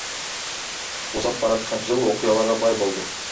Узап бараткан жыл окуяларга бай болду.